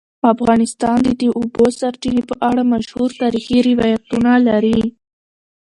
افغانستان د د اوبو سرچینې په اړه مشهور تاریخی روایتونه لري.